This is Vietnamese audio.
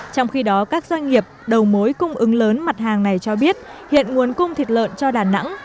trong khi đó các doanh nghiệp đầu mối cung ứng lớn mặt hàng này cho biết hiện nguồn cung thịt lợn cho đà nẵng